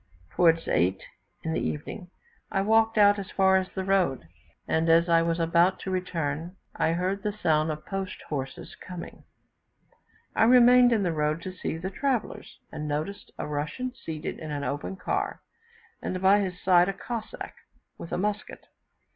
Towards 8 in the evening I walked out as far as the road, and as I was about to return I heard the sound of post horses coming; I remained in the road to see the travellers, and noticed a Russian, seated in an open car, and by his side a Cossack, with a musket.